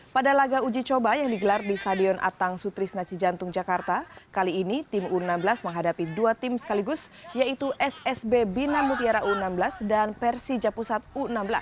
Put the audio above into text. pada laga uji coba yang digelar di stadion atang sutris naci jantung jakarta kali ini tim u enam belas menghadapi dua tim sekaligus yaitu ssb bina mutiara u enam belas dan persija pusat u enam belas